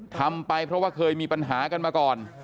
ทำไปเพราะว่าเคยมีปัญหากันมาก่อน